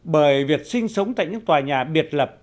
bởi việc sinh sống tại những tòa nhà biệt lập